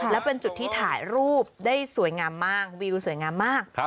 แล้วเป็นจุดที่ถ่ายรูปได้สวยงามมากวิวสวยงามมาก